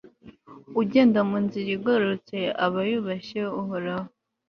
ugenda mu nzira igororotse aba yubashye uhoraho